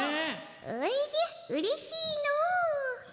おじゃうれしいのぉ！